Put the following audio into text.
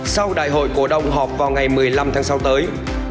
sau đại hội cổ động họp vào ngày một mươi năm tháng sáu tới